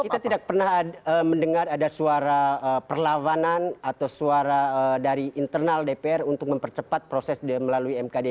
kita tidak pernah mendengar ada suara perlawanan atau suara dari internal dpr untuk mempercepat proses melalui mkd